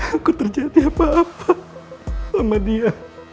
aku terjadi apa apa sama dia